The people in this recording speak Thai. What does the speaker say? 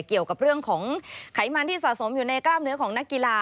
เกี่ยวกับเรื่องของไขมันที่สะสมอยู่ในกล้ามเนื้อของนักกีฬา